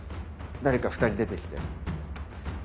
誰か２人出てきて。